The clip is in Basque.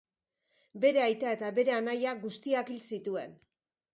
Bere aita eta bere anaia guztiak hil zituen.